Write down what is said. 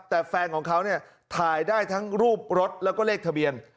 แต่แฟนของเขาเนี่ยถ่ายได้ทั้งรูปรถแล้วก็เลขทะเบียน